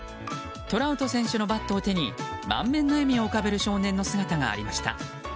トラウト選手のバットを手に満面の笑みを浮かべる少年の姿がありました。